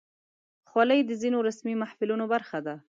خولۍ د ځینو رسمي محفلونو برخه ده.